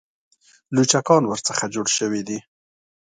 لوچکان ورڅخه جوړ شوي دي.